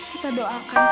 kita doakan supaya dia